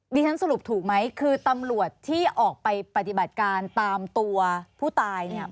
ฉันสรุปถูกไหมคือตำรวจที่ออกไปปฏิบัติการตามตัวผู้ตายเนี่ย